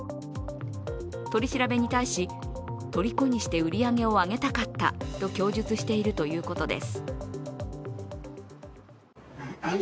取り調べに対し、とりこにして売り上げを上げたかったと供述しているということです。